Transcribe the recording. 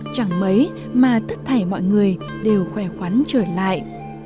chẳng mấy mà thất thải mọi người đều khỏe khoắn trở lại